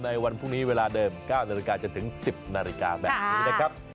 วันพรุ่งนี้เวลาเดิม๙นาฬิกาจนถึง๑๐นาฬิกาแบบนี้นะครับ